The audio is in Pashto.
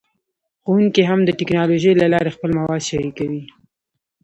ښوونکي هم د ټیکنالوژۍ له لارې خپل مواد شریکوي.